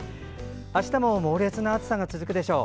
あしたも猛烈な暑さが続くでしょう。